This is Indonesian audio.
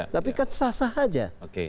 tapi kan sah sah aja